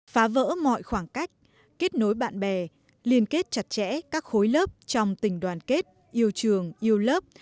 phá vỡ mọi khoảng cách kết nối bạn bè liên kết chặt chẽ các khối lớp trong tình đoàn kết yêu trường yêu lớp